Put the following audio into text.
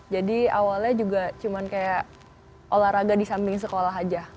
jadi awalnya juga cuma kayak olahraga di samping sekolah aja